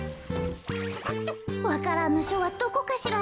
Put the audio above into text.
「わか蘭のしょ」はどこかしら。